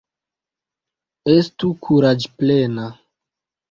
Estu Kuraĝplena!